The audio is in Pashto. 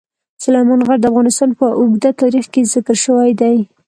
سلیمان غر د افغانستان په اوږده تاریخ کې ذکر شوی دی.